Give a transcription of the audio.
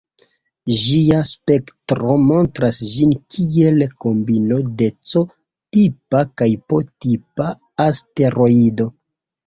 Ĝia spektro montras ĝin kiel kombino de C-tipa kaj P-tipa asteroido.